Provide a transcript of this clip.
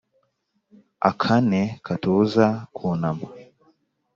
akane katubuza kunama,